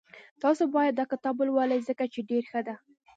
تاسو باید داکتاب ولولئ ځکه چی ډېر ښه ده